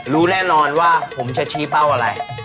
รู้แน่นอนว่าผมจะชี้เป้าอะไร